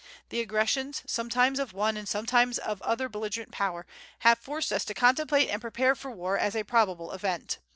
The aggressions, sometimes of one and sometimes of another belligerent power, have forced us to contemplate and prepare for war as a probable event.